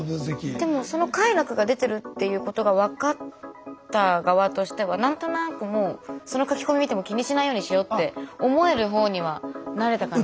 でもその快楽が出てるっていうことが分かった側としてはなんとなくもうその書き込み見ても気にしないようにしようって思える方にはなれたかな。